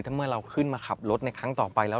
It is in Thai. ถ้าเมื่อเราขึ้นมาขับรถในครั้งต่อไปแล้ว